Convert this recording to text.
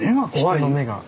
人の目が。